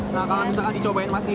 nah kalau misalkan dicobain masih